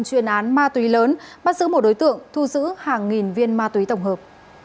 chuyên án ma túy lớn bắt giữ một đối tượng thu giữ hàng nghìn viên ma túy tổng hợp